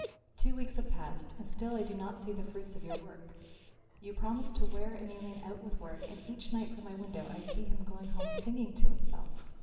Two weeks have passed and still I do not see the fruits of your work. You promised to wear Emelian out with work and each night from my window I see him going home singing to himself.